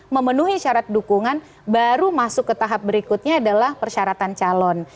memenuhi syarat dukungan baru masuk ke tahap berikutnya adalah persyaratan calon